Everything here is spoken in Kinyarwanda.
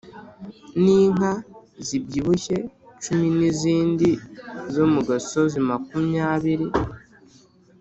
n’inka zibyibushye cumi n’izindi zo mu gasozi makumyabiri